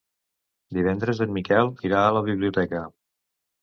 Divendres en Miquel irà a la biblioteca.